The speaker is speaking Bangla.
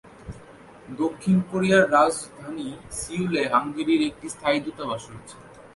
দক্ষিণ কোরিয়ার রাজধানী সিউলে হাঙ্গেরির একটি স্থায়ী দূতাবাস রয়েছে।